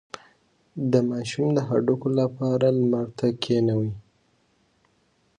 د ماشوم د هډوکو لپاره لمر ته کینوئ